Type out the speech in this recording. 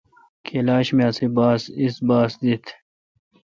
کلاش می اس باس دیت۔